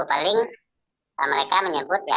paling mereka menyebut